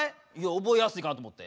覚えやすいかなって思って。